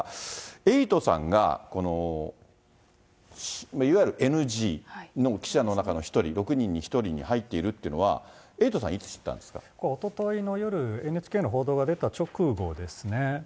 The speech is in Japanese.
エイトさんがいわゆるＮＧの記者の中の１人、６人の中の１人に入っているということは、エイトさん、いつ知っこれ、おとといの夜、ＮＨＫの報道が出た直後ですね。